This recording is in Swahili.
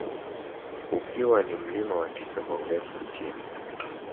Ukiwa ni mlima wa tisa kwa urefu nchini